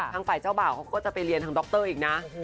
ทางฝ่ายเจ้าบ่าวเขาก็จะไปเรียนทางดรอีกนะ